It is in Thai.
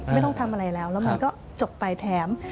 ไม่ต้องทำอะไรแล้วแล้วมันก็จบไปแถม